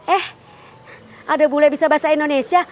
eh ada bule bisa bahasa indonesia